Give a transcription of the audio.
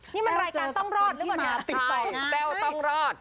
นี่มันรายการต้องรอดหรือเปล่าแต้วต้องรอด